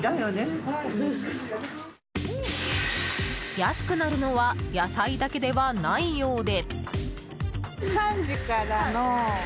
安くなるのは野菜だけではないようで。